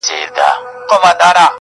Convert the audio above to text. رسنۍ موضوع نړيواله کوي،